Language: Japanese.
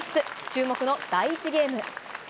注目の第１ゲーム。